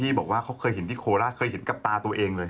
บอกว่าเขาเคยเห็นที่โคราชเคยเห็นกับตาตัวเองเลย